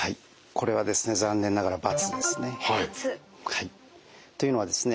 これはですね残念ながら×ですね。というのはですね